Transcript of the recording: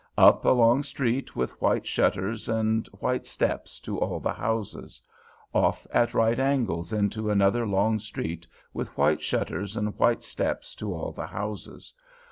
Up a long street with white shutters and white steps to all the houses. Off at right angles into another long street with white shutters and white steps to all the houses.